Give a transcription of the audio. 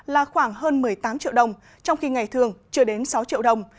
là khoảng hơn một mươi tám triệu đồng trong khi ngày thường chưa đến sáu triệu đồng